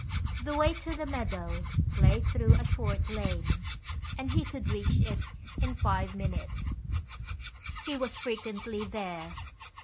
The way to the meadow lay through a short lane, and he could reach it in five minutes: he was frequently there.